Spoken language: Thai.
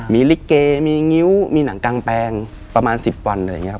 มีลิเกมีงิ้วมีหนังกางแปลงประมาณ๑๐วันอะไรอย่างนี้ครับ